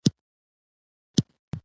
مړه ته د دعا کتابچه خلاص کړه